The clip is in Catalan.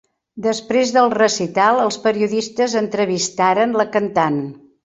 Després del recital els periodistes entrevistaren la cantant.